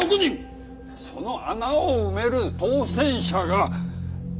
その穴を埋める当選者が７１４人。